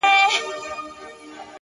سوځوي چي زړه د وينو په اوبو کي _